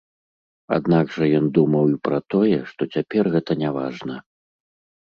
Аднак жа ён думаў і пра тое, што цяпер гэта няважна.